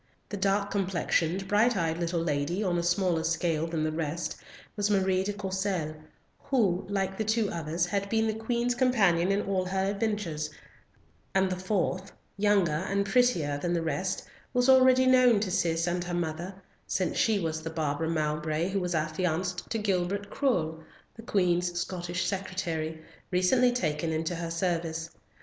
The dark complexioned bright eyed little lady, on a smaller scale than the rest, was Marie de Courcelles, who, like the two others, had been the Queen's companion in all her adventures; and the fourth, younger and prettier than the rest, was already known to Cis and her mother, since she was the Barbara Mowbray who was affianced to Gilbert Curll, the Queen's Scottish secretary, recently taken into her service.